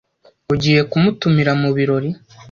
Ugiye kumutumira mubirori?